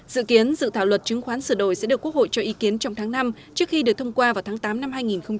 dự kiến dự thảo luật chứng khoán sửa đổi sẽ được quốc hội cho ý kiến trong tháng năm trước khi được thông qua vào tháng tám năm hai nghìn hai mươi